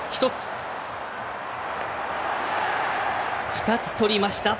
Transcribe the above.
２つ取りました。